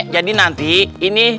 jadi nanti ini